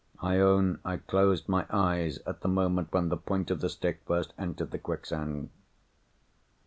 I own I closed my eyes at the moment when the point of the stick first entered the quicksand.